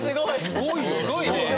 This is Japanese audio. すごいね！